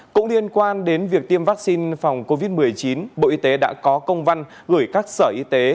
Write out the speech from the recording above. cũng liên quan đến việc tiêm vaccine phòng covid một mươi chín bộ y tế đã có công văn gửi các sở y tế